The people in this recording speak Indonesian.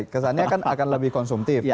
kesannya akan lebih konsumtif